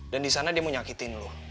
dan disana dia mau nyakitin lo